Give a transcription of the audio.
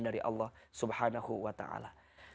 dari allah subhanahu wa ta'ala